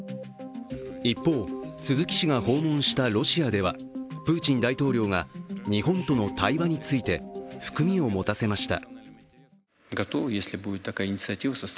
一方、鈴木氏が訪問したロシアではプーチン大統領が日本との対話について含みを持たせました。